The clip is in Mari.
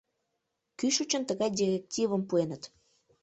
— Кӱшычын тыгай директивым пуэныт.